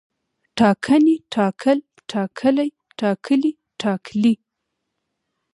ټاکنې، ټاکل، ټاکلی، ټاکلي، ټاکلې